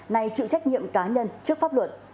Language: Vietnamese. này chịu trách nhiệm cá nhân trước pháp luật